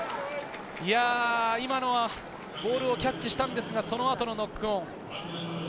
今のはボールをキャッチしたんですが、その後のノックオン。